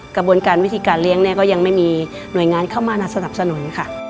กระบวนการวิธีการเลี้ยงเนี่ยก็ยังไม่มีหน่วยงานเข้ามาสนับสนุนค่ะ